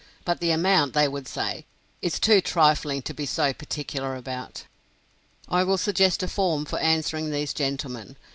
But the amount, they would say, is too trifling to be so particular about! I will suggest a form for answering these gentlemen.